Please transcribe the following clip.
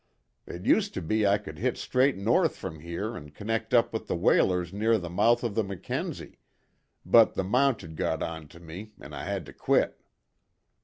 It used to be I could hit straight north from here an' connect up with the whalers near the mouth of the Mackenzie but the Mounted got onto me, an' I had to quit.